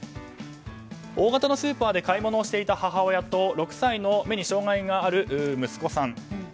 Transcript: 大型のスーパーで買い物をしていた母親と６歳の目に障害がある息子さん。